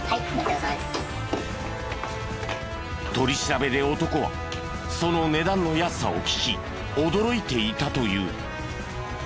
取り調べで男はその値段の安さを聞き驚いていたという。